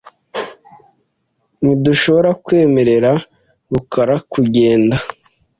Ntidushobora kwemerera rukara kugenda .